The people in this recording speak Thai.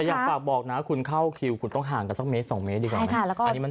อยากฝากบอกนะคุณเข้าคิวคุณต้องห่างกันสักเมตร๒เมตรดีกว่าไหม